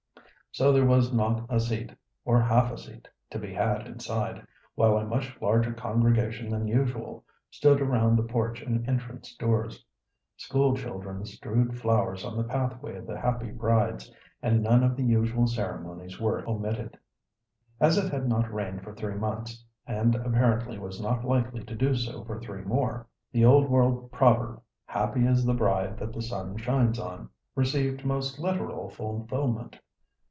So there was not a seat, or half a seat, to be had inside, while a much larger congregation than usual stood around the porch and entrance doors. School children strewed flowers on the pathway of the happy brides, and none of the usual ceremonies were omitted. As it had not rained for three months, and apparently was not likely to do so for three more, the old word proverb, "happy is the bride that the sun shines on," received most literal fulfilment.